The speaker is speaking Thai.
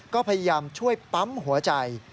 ก็พยายามช่วยปั๊มหัวใจ